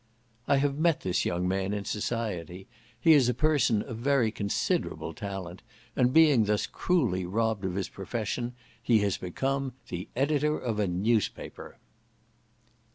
I have met this young man in society; he is a person of very considerable talent, and being thus cruelly robbed of his profession, has become the editor of a newspaper.